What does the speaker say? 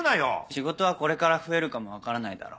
仕事はこれから増えるかも分からないだろ。